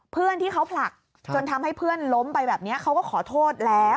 เพื่อนที่เขาผลักจนทำให้เพื่อนล้มไปแบบนี้เขาก็ขอโทษแล้ว